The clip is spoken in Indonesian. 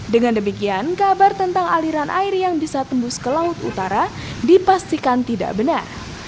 dengan demikian kabar tentang aliran air yang bisa tembus ke laut utara dipastikan tidak benar